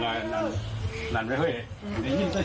ส่วนก้าวค่ะ